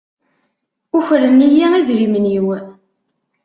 Ukren-iyi idrimen-iw.